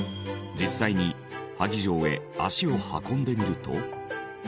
実際に萩城へ足を運んでみると。